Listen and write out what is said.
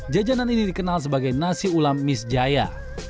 jajanan ini dikenal sebagai nasi ulam misjaya